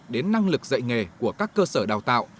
đến năng lực dạy nghề của các cơ sở đào tạo